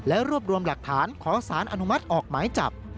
และรวบรวมหลักฐานขอสารอนุมัติออกหมายจับ